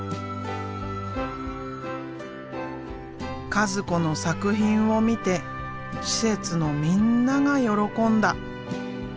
和子の作品を見て施設のみんなが喜んだ。